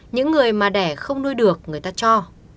những người mà đẻ không nuôi được người ta cho